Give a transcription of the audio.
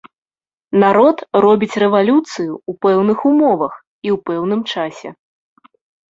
Народ робіць рэвалюцыю ў пэўных умовах і ў пэўным часе.